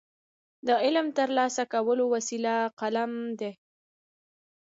د علم ترلاسه کولو وسیله قلم دی.